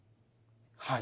はい。